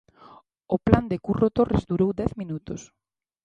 O plan de Curro Torres durou dez minutos.